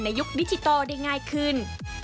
ยุคดิจิทัลได้ง่ายขึ้น